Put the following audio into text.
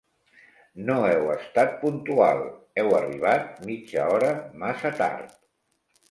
No heu estat puntual: heu arribat mitja hora massa tard.